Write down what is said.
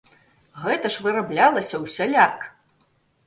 Гэта ж выраблялася ўсяляк!